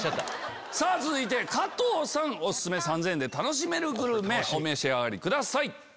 続いて加藤さんオススメ３０００円で楽しめるグルメお召し上がりください。